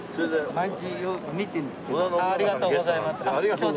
ありがとうございますどうも。